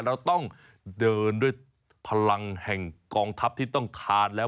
เราต้องเดินด้วยพลังแห่งกองทัพที่ต้องทานแล้ว